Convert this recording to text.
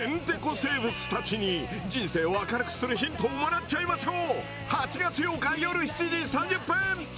生物たちに人生を明るくするヒントをもらっちゃいましょう！